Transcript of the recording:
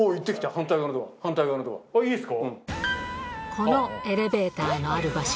このエレベーターのある場所